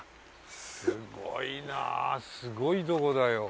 すごいなすごいとこだよ。